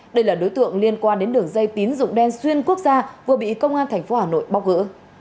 đây là đối tượng liên quan đến đường dây tín dụng đen xuyên quốc gia vừa bị công an tp hà nội bóc gỡ